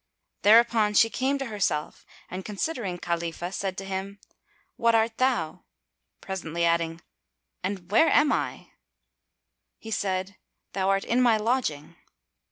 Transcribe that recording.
[FN#246] thereupon she came to herself and considering Khalifah, said to him, "What art thou?" presently adding, "And where am I?" He said, "Thou art in my lodging."